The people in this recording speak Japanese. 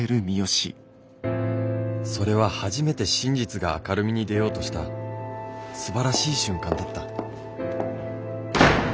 それは初めて真実が明るみに出ようとしたすばらしい瞬間だった。